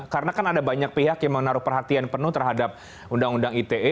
karena kan ada banyak pihak yang menaruh perhatian penuh terhadap undang undang ite